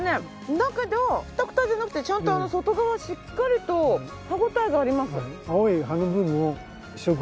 だけどくたくたじゃなくてちゃんと外側しっかりと歯応えがあります。